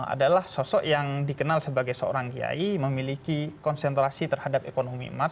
adalah sosok yang dikenal sebagai seorang kiai memiliki konsentrasi terhadap ekonomi emas